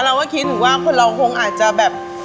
เราก็คิดถึงว่าคนเราคงอาจจะแบบ